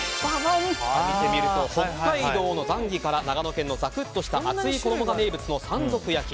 北海道のザンギから長野県のザクッとした厚い衣が名物の山賊焼き。